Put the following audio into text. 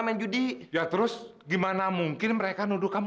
meskipun mama bukan ibu kandung kamu